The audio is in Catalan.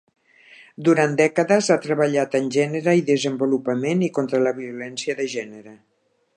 Durant dècades ha treballat en gènere i desenvolupament i contra la violència de gènere.